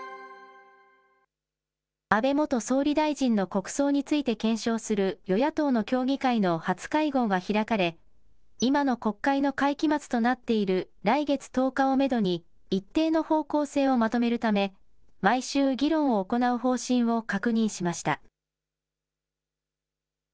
安倍元総理大臣の国葬について検証する与野党の協議会の初会合が開かれ、今の国会の会期末となっている来月１０日をメドに、一定の方向性をまとめるため、毎週議論を行う方針を確認しました。